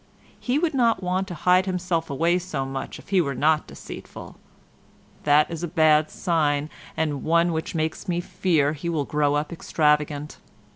He would not want to hide himself away so much if he were not deceitful. That is a bad sign and one which makes me fear he will grow up extravagant.